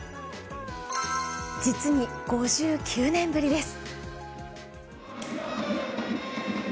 実に５９年ぶりです。